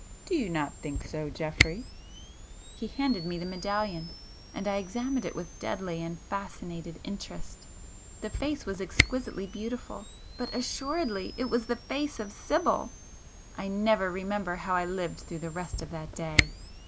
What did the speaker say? Do you not think so, Geoffrey?" He handed me the medallion,—and I examined it with deadly and fascinated interest,—the face was exquisitely beautiful,—but assuredly it was the face of Sibyl! I never remember how I lived through the rest of that day.